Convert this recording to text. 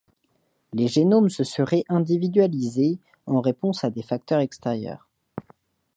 Les génomes se seraient individualisés en réponse à des facteurs extérieurs.